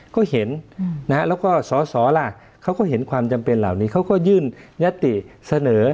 ก็เห็นแล้วก็สอสอล่ะเขาก็เห็นความจำเป็นเหล่านี้เขาก็ยื่นยติเสนอ